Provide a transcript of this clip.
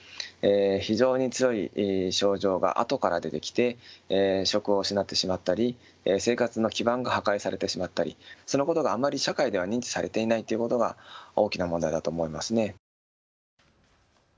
非常に強い症状があとから出てきて職を失ってしまったり、生活の基盤が破壊されてしまったり、そのことがあまり社会で認知されていないということが大きな問題だと思います。